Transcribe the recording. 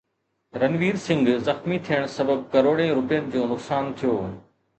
رنوير سنگهه زخمي ٿيڻ سبب ڪروڙين روپين جو نقصان ٿيو